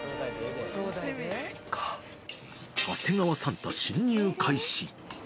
長谷川サンタ侵入開始。